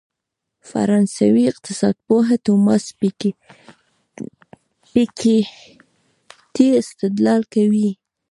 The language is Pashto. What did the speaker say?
فرانسوي اقتصادپوه توماس پيکيټي استدلال کوي.